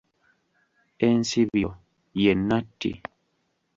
Ensibyo ye nnatti.